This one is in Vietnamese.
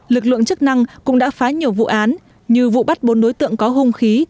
lực lượng chức năng cũng đã phá nhiều vụ án như vụ bắt bốn đối tượng có hung khí